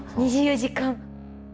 ２４時間。